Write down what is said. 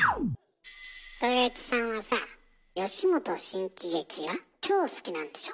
トヨエツさんはさあ吉本新喜劇が超好きなんでしょ？